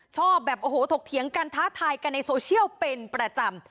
ชอบแบบโอ้โหถกเถียงกันท้าทายกันในโซเชียลเป็นประจำ